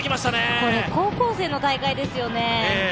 これ高校生の大会ですよね？